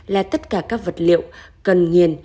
là tất cả các vật liệu cần nhiền